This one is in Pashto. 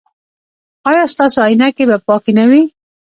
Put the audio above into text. ایا ستاسو عینکې به پاکې نه وي؟